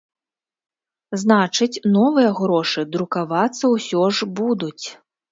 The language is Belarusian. Значыць, новыя грошы друкавацца ўсё ж будуць.